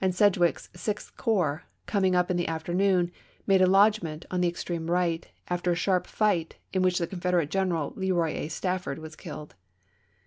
Sedgwick's (Sixth) corps, coming up in the after noon, made a lodgment on the extreme right, after a sharp fight, in which the Confederate general Leroy A. Stafford was killed.